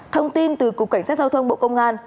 thông tin từ cục cảnh sát giao thông bộ công an